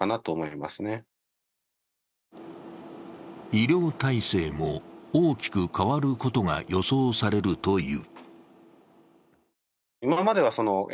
医療体制も大きく変わることが予想されるという。